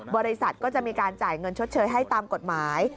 บริษัทก็จะมีการจ่ายเงินชดเชยให้ตามกฎหมาย